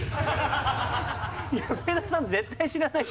上田さん絶対知らないと思う。